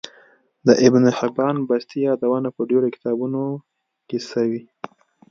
د ابن حبان بستي يادونه په ډیرو کتابونو کی سوی